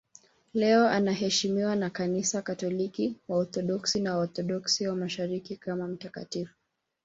Leo anaheshimiwa na Kanisa Katoliki, Waorthodoksi na Waorthodoksi wa Mashariki kama mtakatifu.